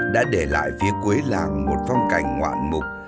đã để lại phía cuối làng một phong cảnh ngoạn mục